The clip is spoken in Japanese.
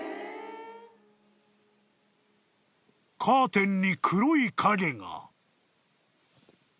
［カーテンに黒い影が］